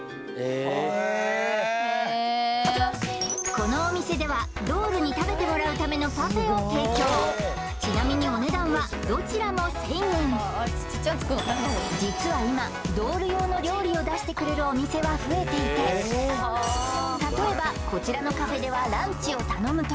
このお店ではドールに食べてもらうためのパフェを提供ちなみにお値段はどちらも１０００円実は今ドール用の料理を出してくれるお店は増えていて例えばこちらのカフェではランチを頼むと